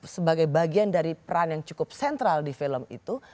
sebagai bagian dari peran yang cukup sentral di film itu